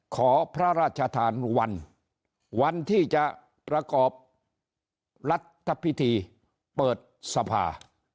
ขอพระราชทานวันวันที่จะประกอบรัฐพิธีเปิดสภา